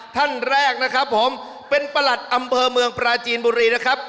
ท่านแรกนะครับผมเป็นประหลัดอำเภอเมืองปราจีนบุรีนะครับ